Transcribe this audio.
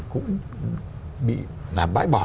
cũng bị bãi bỏ